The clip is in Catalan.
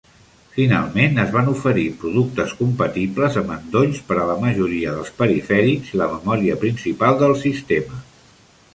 Finalment, es van oferir productes compatibles amb endolls per a la majoria dels perifèrics i la memòria principal del sistema.